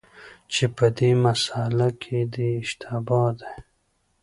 چي په دې مسأله کي دی اشتباه دی،